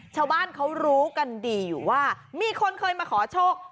ชาวบ้านเขารู้กันดีอยู่ว่ามีคนเคยมาขอโชค